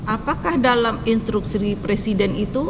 apakah dalam instruksi presiden itu